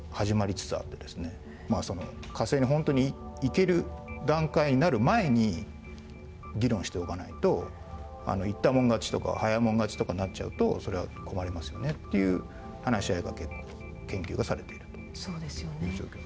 まあその火星に本当に行ける段階になる前に議論しておかないと行った者勝ちとか早い者勝ちとかになっちゃうとそれは困りますよねっていう話し合いが結構研究がされているという状況。